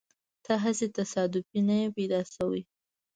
ته هسې تصادفي نه يې پیدا شوی.